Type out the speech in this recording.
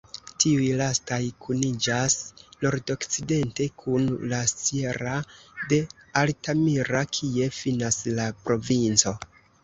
Tiuj lastaj kuniĝas nordokcidente kun la "sierra" de Altamira, kie finas la provinco.